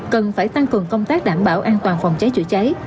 cần phải tăng cường công tác đảm bảo an toàn phòng cháy chữa cháy